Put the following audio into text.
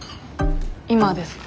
今ですか？